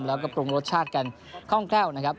แล้วก็ปรุงรสชาติกันคล่องแคล่วนะครับ